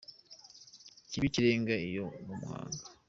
Kibe ikirenga iyo mu mahanga